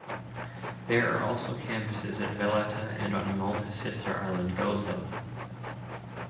There are also campuses at Valletta and on Malta's sister-island, Gozo.